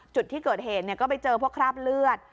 จุดที่เกิดเหตุก็ไปเจอพวกคราบเลือด